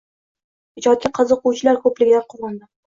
Ijodga qiziquvchilar ko‘pligidan quvondim.